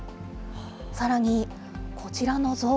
さらに、こちらの像。